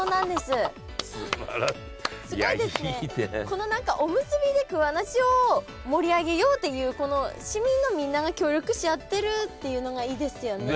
この何かおむすびで桑名市を盛り上げようっていう市民のみんなが協力し合ってるっていうのがいいですよね。